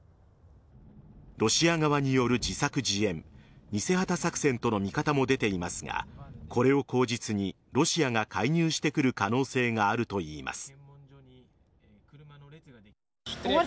ロシア側による自作自演偽旗作戦との見方も出ていますがこれを口実にロシアが介入してくる可能性があるといいます。